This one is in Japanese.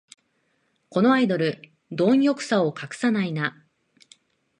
このアイドル、どん欲さを隠さないな